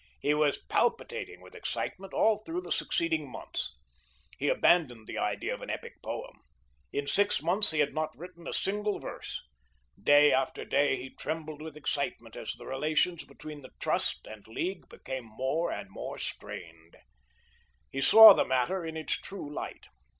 He was palpitating with excitement all through the succeeding months. He abandoned the idea of an epic poem. In six months he had not written a single verse. Day after day he trembled with excitement as the relations between the Trust and League became more and more strained. He saw the matter in its true light.